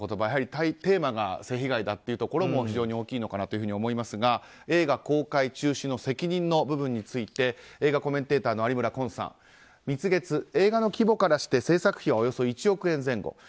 やはりテーマが性被害だというところも非常に大きいのかなというふうに思いますが映画公開中止の責任の部分について映画コメンテーターの有村昆さん「蜜月」、映画の規模からしておよそ１億円前後。